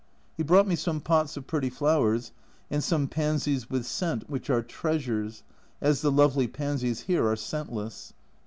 He brought me some pots of pretty flowers, and some pansies with scent which are trea sures, as the lovely pansies here are scentless.